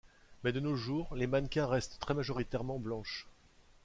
Mais de nos jours, les mannequins restent très majoritairement blanches.